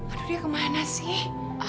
aduh dia kemana sih